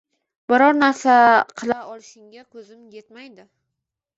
Biror narsa qila olishingga ko`zim etmaydi